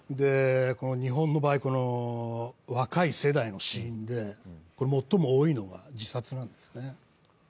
日本の場合、若い世代の死因で最も多いのが自殺なんですね。